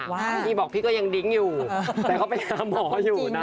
พี่บอกพี่ก็ยังดิ้งอยู่แต่เขาไปหาหมออยู่นะ